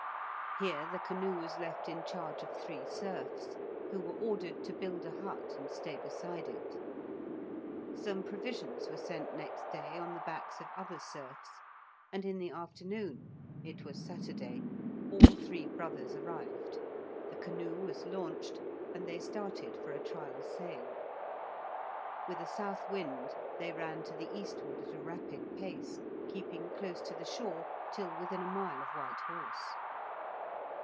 Here the canoe was left in charge of three serfs, who were ordered to build a hut and stay beside it. Some provisions were sent next day on the backs of other serfs, and in the afternoon (it was Saturday) all three brothers arrived; the canoe was launched, and they started for a trial sail. With a south wind they ran to the eastward at a rapid pace, keeping close to the shore till within a mile of White Horse.